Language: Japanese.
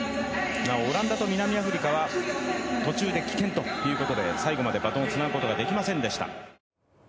なおオランダと南アフリカは途中で棄権ということで最後までバトンをつなぐことができませんでした。